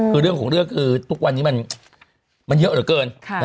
คือเรื่องของเรื่องคือทุกวันนี้มันเยอะเหลือเกิน